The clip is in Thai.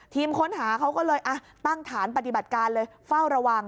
ทีมค้นหาเขาก็เลยตั้งฐานปฏิบัติการเลยเฝ้าระวัง